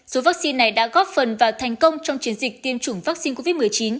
số vaccine này đã góp phần vào thành công trong chiến dịch tiêm chủng vaccine covid một mươi chín